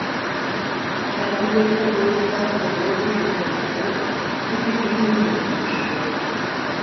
Kendilerine doğrudan doğruya ne bir fenalığım, ne bir iyiliğim dokunmuştu.